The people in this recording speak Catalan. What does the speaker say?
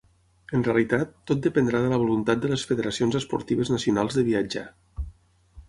En realitat, tot dependrà de la voluntat de les federacions esportives nacionals de viatjar.